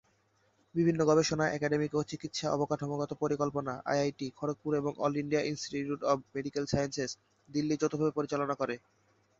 বিভিন্ন গবেষণা, একাডেমিক ও চিকিৎসা অবকাঠামোগত পরিকল্পনা আইআইটি খড়গপুর এবং all India institute of medical sciences, Delhi যৌথভাবে পরিচালনা করে।